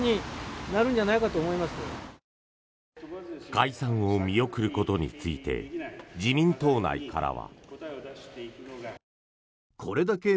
解散を見送ることについて自民党内からは。